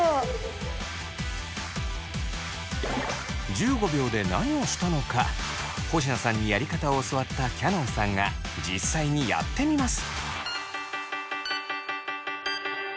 １５秒で何をしたのか保科さんにやり方を教わったきゃのんさんが実際にやってみます。